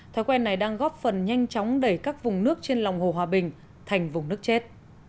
thói quen này đang góp phần nhanh chóng đẩy các vùng nước trên lòng hồ hòa bình thành vùng nước chết